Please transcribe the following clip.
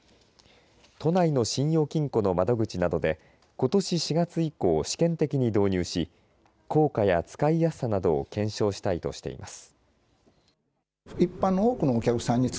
都内の信用金庫の窓口などでことし４月以降、試験的に導入し効果や使いやすさなどを検証したいとしています。